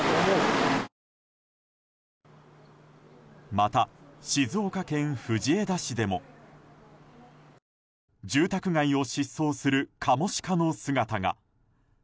また、静岡県藤枝市でも住宅街を疾走するカモシカの姿が。